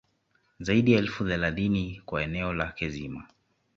Zaidi ya elfu thelathini kwa eneo lake zima